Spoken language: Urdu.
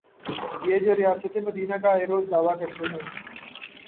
یہ جو ریاست مدینہ کا آئے روز دعوی کرتے ہیں۔